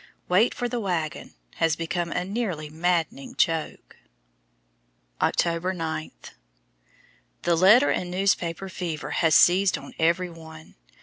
"Wait for the wagon" has become a nearly maddening joke. October 9. The letter and newspaper fever has seized on every one.